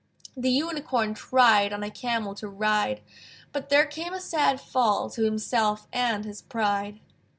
The Unicorn tried On a camel to ride, But there came a sad fall To himself and his pride.